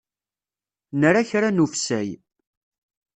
Nra kra n ufessay.